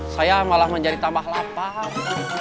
saya malah menjadi tambah lapar